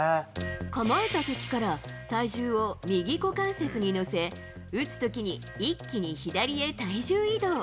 構えたときから体重を右股関節に乗せ、打つときに一気に左へ体重移動。